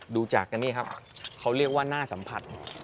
ดูจากกันนี่ครับเขาเรียกว่าน่าสัมผัส